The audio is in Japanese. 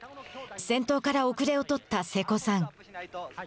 先頭から遅れを取った瀬古さん。